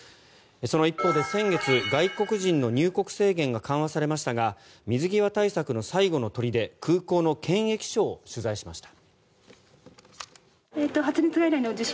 その一方で先月外国人の入国制限が緩和されましたが水際対策の最後の砦空港の検疫所を取材しました。